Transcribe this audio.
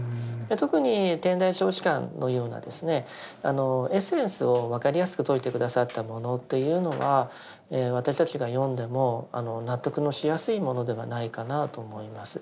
特に「天台小止観」のようなエッセンスを分かりやすく説いて下さったものというのは私たちが読んでも納得のしやすいものではないかなと思います。